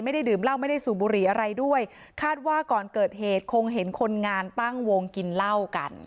ดื่มเหล้าไม่ได้สูบบุหรี่อะไรด้วยคาดว่าก่อนเกิดเหตุคงเห็นคนงานตั้งวงกินเหล้ากัน